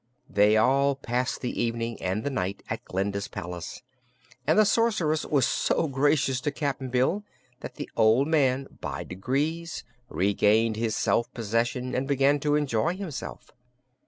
They all passed the evening and the night at Glinda's palace, and the Sorceress was so gracious to Cap'n Bill that the old man by degrees regained his self possession and began to enjoy himself.